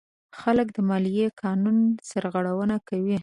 خلک د مالیې قانون نه سرغړونه کوي.